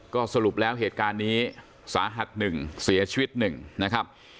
ก็สรุปแล้วเหตุการณ์นี้สาหัส๑เสียชีวิต๑นะครับ